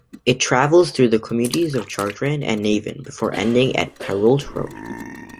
It travels through the communities of Chartrand and Navan before ending at Perreault Road.